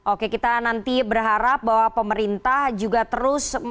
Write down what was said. oke kita nanti berharap bahwa pemerintah juga terus